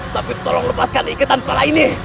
tapi tolong lepaskan ike tanpa lainnya